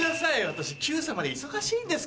私『Ｑさま‼』で忙しいんですから。